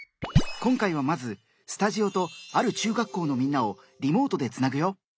今回はまずスタジオとある中学校のみんなをリモートでつなぐよ！